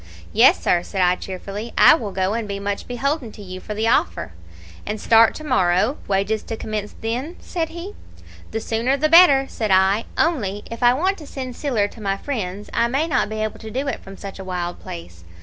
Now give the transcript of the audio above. "'Yes, sir,' said I, cheerfully, 'I will go, and be much beholden to you for the offer.' "'And start to morrow, wages to commence then?' said he. "'The sooner the better,' said I. 'Only, if I want to send siller to my friends I may not be able to do it from such a wild place.'